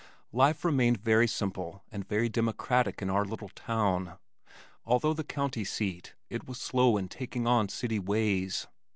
Life remained very simple and very democratic in our little town. Although the county seat, it was slow in taking on city ways.